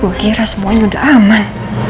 gue kira semuanya udah aman